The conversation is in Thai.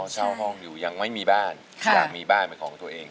เช่าห้องอยู่ยังไม่มีบ้านอยากมีบ้านเป็นของตัวเอง